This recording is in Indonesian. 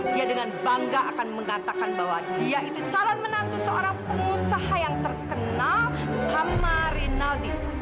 dia dengan bangga akan mengatakan bahwa dia itu calon menantu seorang pengusaha yang terkenal kamarinaldi